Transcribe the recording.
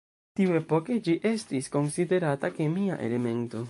Tiuepoke ĝi estis konsiderata kemia elemento.